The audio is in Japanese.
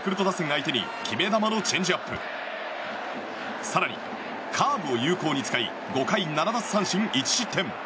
相手に決め球のチェンジアップ更に、カーブを有効に使い５回７奪三振１失点。